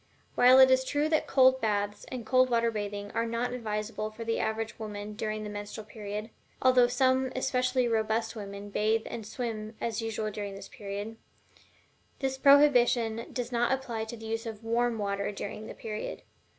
While it is true that cold baths, or cold water bathing, are not advisable for the average woman during the menstrual period (although some especially robust women bathe and swim as usual during this period), this prohibition does not apply to the use of WARM water during the period.